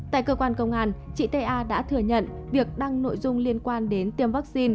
tại cơ quan công an chị ta đã thừa nhận việc đăng nội dung liên quan đến tiêm vaccine